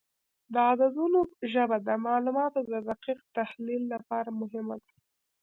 د عددونو ژبه د معلوماتو د دقیق تحلیل لپاره مهمه ده.